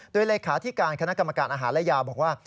โดยเลขาธิการคณะกรรมการอาหารและยาบอกว่า